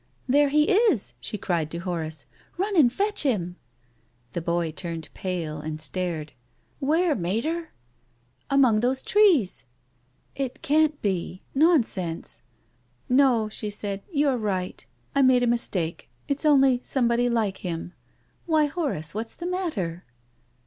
"There he is!" she cried to Horace. "Run and fetch him." The boy turned pale, and stared. "Where, Mater?" " Among those trees." "It can't be! Nonsense!" " No," she said ;" you are right. T made a mistake. It's only somebody like hini. Why, Horace, what's the matter?"